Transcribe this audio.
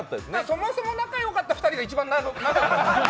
そもそも仲良かった２人が一番仲良くなった。